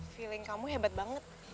feeling kamu hebat banget